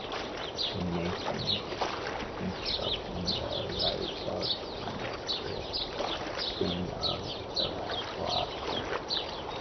In masonry construction the rite celebrates the bedding of the last block or brick.